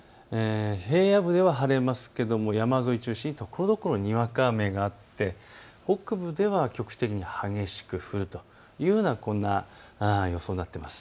平野部では晴れますが山沿いを中心にところどころにわか雨があって北部では局地的に激しく降るというような予想になっています。